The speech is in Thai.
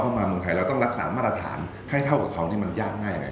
ประสาทมาตรฐานให้เท่ากับเขานี่มันยากง่ายไง